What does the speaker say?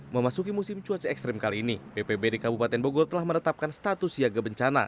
memasuki musim cuaca ekstrim kali ini bpbd kabupaten bogor telah menetapkan status siaga bencana